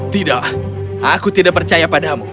tidak aku tidak percaya padamu